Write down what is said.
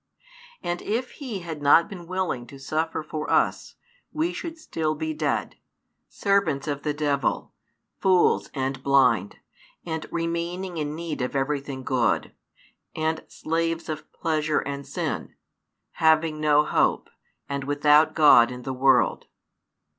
And if He had not been willing to suffer for us, we should be still dead, servants of the devil, fools and blind, and remaining in need of everything good, and slaves of pleasure and sin; having no hope, and without God in the world.